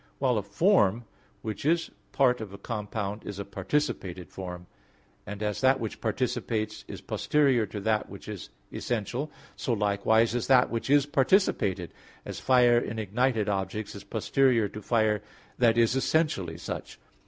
1): while a form which is part of a compound is a participated form; and as that which participates is posterior to that which is essential, so likewise is that which is participated; as fire in ignited objects is posterior to fire that is essentially such.